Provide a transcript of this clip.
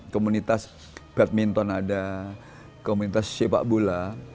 komunitas badminton ada komunitas sepak bola